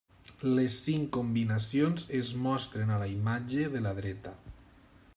Les cinc combinacions es mostren a la imatge de la dreta.